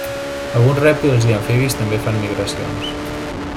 Alguns rèptils i amfibis també fan migracions.